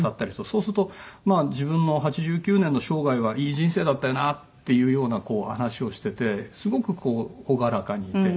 そうするとまあ自分の８９年の生涯はいい人生だったよなっていうような話をしててすごくこう朗らかにいて。